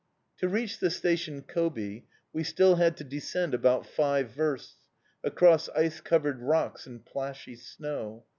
To reach the station Kobi, we still had to descend about five versts, across ice covered rocks and plashy snow.